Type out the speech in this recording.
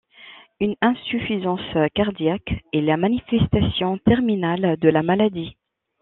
Une insuffisance cardiaque est la manifestation terminale de la maladie.